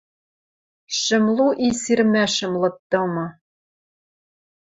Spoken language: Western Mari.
Шӹмлу и сирмӓшӹм лыддымы